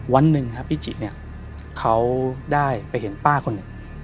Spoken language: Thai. วันหนึ่งครับพี่จิเนี่ยเขาได้ไปเห็นป้าคนหนึ่ง